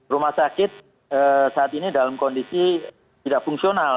rumah sakit saat ini dalam kondisi tidak fungsional